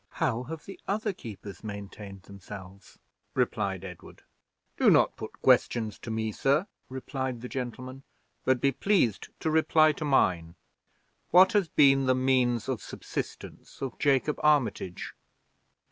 "How have the other keepers maintained themselves?" replied Edward. "Do not put questions to me, sir," replied the gentleman; "but be pleased to reply to mine. What has been the means of subsistence of Jacob Armitage?"